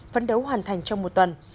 phấn đấu hoàn thành trong một tuần